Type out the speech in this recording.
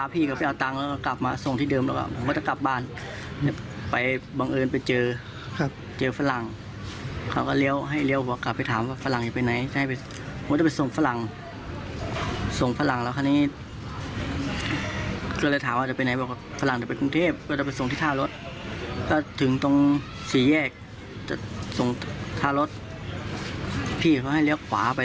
พี่เค้าให้เลี้ยงขวาไปเลย